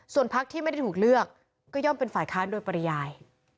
ส่วนพักที่ไม่ได้ถูกเลือกก็ย่อมเป็นฝ่ายค้านโดยปริยาย